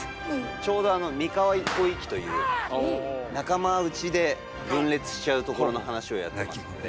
ちょうど三河一向一揆という仲間内で分裂しちゃうところの話をやってますので。